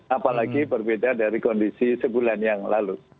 apalagi berbeda dari kondisi sebulan yang lalu